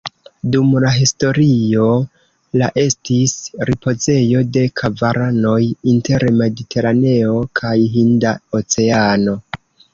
Dum la historio la estis ripozejo de karavanoj inter Mediteraneo kaj Hinda Oceano.